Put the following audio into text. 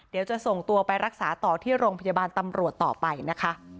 เดี๋ยวจะส่งตัวไปรักษาต่อที่โรงพยาบาลตำรวจต่อไปนะคะ